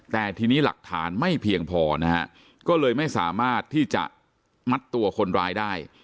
แต่ทีนี้หลักฐานไม่เพียงพอนะฮะก็เลยไม่สามารถที่จะมัดตัวคนร้ายได้